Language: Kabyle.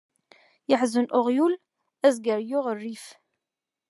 Yeḥzen uɣyul, azger yuɣ rrif.